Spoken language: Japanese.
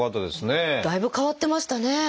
だいぶ変わってましたね。